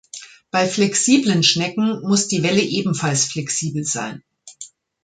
Bei flexiblen Schnecken muss die Welle ebenfalls flexibel sein.